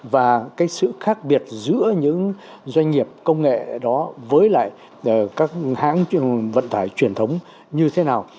và cái sự khác biệt giữa những doanh nghiệp công nghệ đó với lại các hãng vận tải truyền thống như thế nào